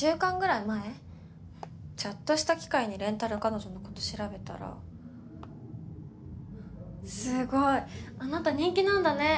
ちょっとした機会にレンタル彼女のこと調べたらすごいあなた人気なんだね